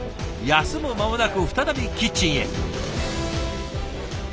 休む間もなく再びキッチンへ。